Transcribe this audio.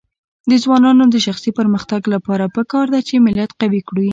د ځوانانو د شخصي پرمختګ لپاره پکار ده چې ملت قوي کړي.